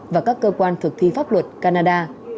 và các cơ quan thực thi pháp luật canada